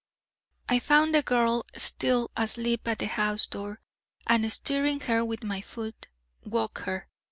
I found the girl still asleep at the house door, and stirring her with my foot, woke her.